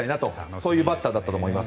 そういうバッターだと思います。